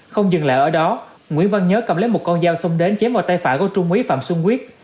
không dừng lại ở đó nguyễn văn nhớ cầm lấy một con dao xông đến chém vào tay phải của trung úy phạm xuân quyết